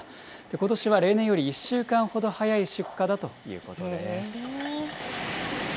ことしは例年より１週間ほど早い出荷だということです。